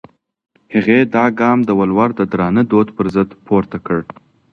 هغې دا ګام د ولور د درانه دود پر ضد پورته کړ.